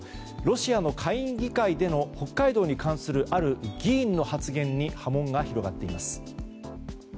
ロシアの下院議会での北海道に関するある議員の発言に波紋が広がっています。